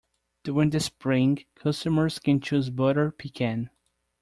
During the Spring, customers can choose butter pecan.